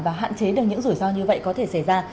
và hạn chế được những rủi ro như vậy có thể xảy ra